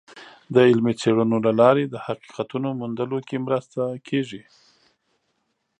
د علمي څیړنو له لارې د حقیقتونو موندلو کې مرسته کیږي.